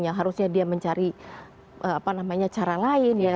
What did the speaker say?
yang harusnya dia mencari cara lain ya